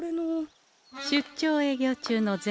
出張営業中の銭